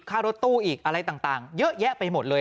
ค่ารถตู้อีกอะไรต่างเยอะแยะไปหมดเลย